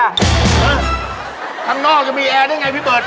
นะข้างนอกจะมีแอร์ได้ไงพี่เบิร์ต